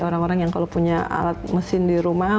orang orang yang kalau punya alat mesin di rumah